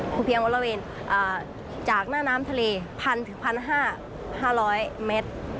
คือเพียงบริเวณจากหน้าน้ำทะเล๑๐๐๑๕๐๐เมตร